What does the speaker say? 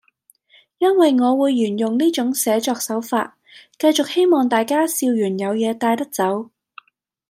因為我會沿用呢種寫作手法，繼續希望大家笑完有嘢帶得走